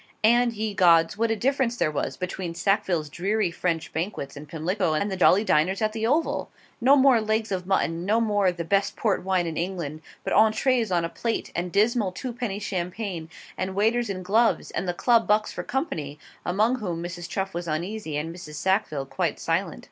And, ye gods! what a difference there was between Sackville's dreary French banquets in Pimlico, and the jolly dinners at the Oval! No more legs of mutton, no more of 'the best port wine in England;' but ENTREES on plate, and dismal twopenny champagne, and waiters in gloves, and the Club bucks for company among whom Mrs. Chuff was uneasy and Mrs. Sackville quite silent.